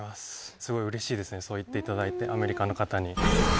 すごいうれしいですね、そう言っていただいて、アメリカの方に。